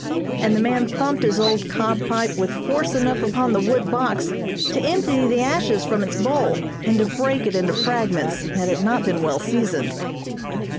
and the man thumped his old cob pipe with force enough upon the wood box to empty the ashes from its bowl and to break it into fragments had it not been well seasoned.